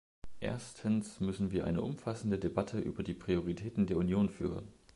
Erstens müssen wir eine umfassende Debatte über die Prioritäten der Union führen.